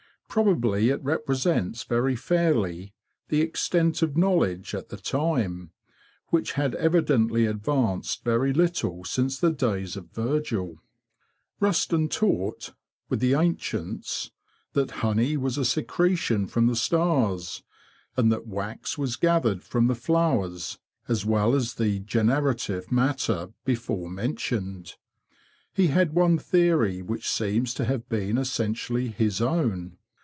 Probably it represents very fairly the extent of knowledge at the time, which had evidently advanced very little since the days of Virgil. Rusden taught, with the ancients, that honey was a secretion from the stars, and that wax was gathered from the flowers, as well as the generative matter before mentioned. He had 150 THE BEE MASTER OF WARRILOW one theory which seems to have been essentially his own.